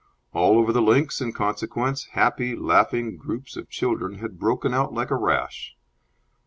All over the links, in consequence, happy, laughing groups of children had broken out like a rash.